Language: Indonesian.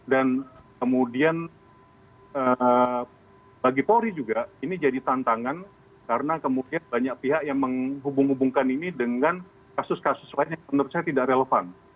dan kemudian bagi polri juga ini jadi tantangan karena kemudian banyak pihak yang menghubung hubungkan ini dengan kasus kasus lain yang menurut saya tidak relevan